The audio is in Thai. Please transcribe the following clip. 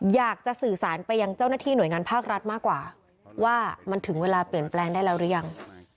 อยากจะสื่อสารไปยังเจ้าหน้าที่หน่วยงานภาครัฐมากกว่าว่ามันถึงเวลาเปลี่ยนแปลงได้แล้วหรือยัง